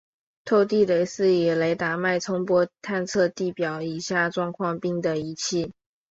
透地雷达是以雷达脉冲波探测地表以下状况并的仪器。